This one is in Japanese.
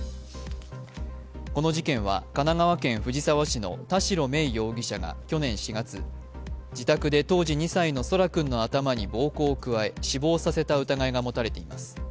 この事件は神奈川県藤沢市の田代芽衣容疑者が去年２月、自宅で当時２歳の空来君の頭に暴行を加え、死亡させた疑いが持たれています。